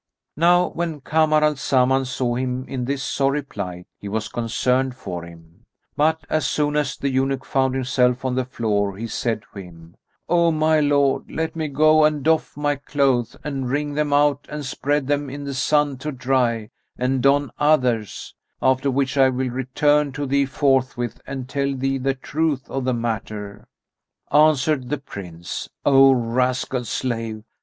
Now when Kamar al Zaman saw him in this sorry plight, he was concerned for him; but, as soon as the eunuch found himself on the floor, he said to him, "O my lord, let me go and doff my clothes and wring them out and spread them in the sun to dry, and don others; after which I will return to thee forthwith and tell thee the truth of the matter." Answered the Prince, "O rascal slave!